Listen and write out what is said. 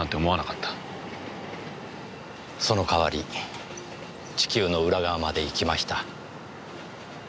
その代わり地球の裏側まで行きました。